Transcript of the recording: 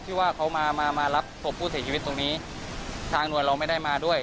ที่ว่าเขามามารับศพผู้เสียชีวิตตรงนี้ทางหน่วยเราไม่ได้มาด้วย